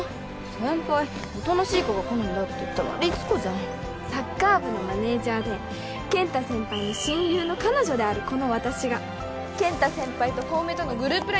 先輩おとなしい子が好みだって言ったの律子じゃんサッカー部のマネージャーで健太先輩の親友の彼女であるこの私が健太先輩と小梅とのグループ